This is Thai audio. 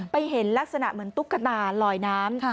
เห็นลักษณะเหมือนตุ๊กตาลอยน้ำ